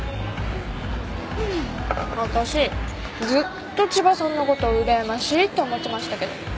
わたしずっと千葉さんのことうらやましいって思ってましたけど